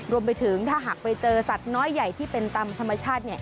รวมไปถึงถ้าหากไปเจอสัตว์น้อยใหญ่ที่เป็นตามธรรมชาติ